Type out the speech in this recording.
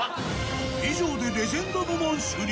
以上でレジェンド部門終了